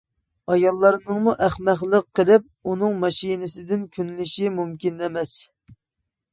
ئاياللارنىڭمۇ ئەخمەقلىق قىلىپ، ئۇنىڭ ماشىنىسىدىن كۈنلىشى مۇمكىن ئەمەس.